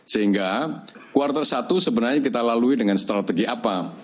sehingga kuartal satu sebenarnya kita lalui dengan strategi apa